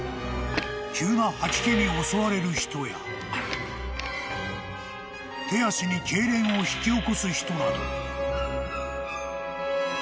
［急な吐き気に襲われる人や手足にけいれんを引き起こす人など］